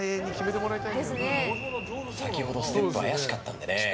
先ほどステップが怪しかったのでね